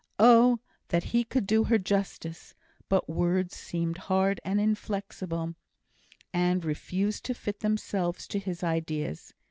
Oh, that he could do her justice! but words seemed hard and inflexible, and refused to fit themselves to his ideas.